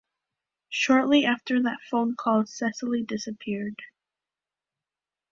Shortly after that phone call Cecily disappears.